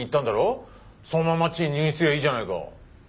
そのままあっちに入院すりゃいいじゃないか。